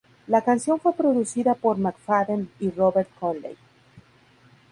La canción fue producida por McFadden y Robert Conley.